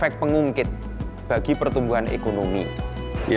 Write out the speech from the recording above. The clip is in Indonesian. contohnya tak ada nggak informasi